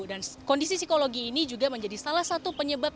dan kondisi psikologi ini juga menjadi salah satu penyebab